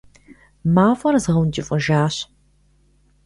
Мафӏэр згъэункӏыфӏыжащ.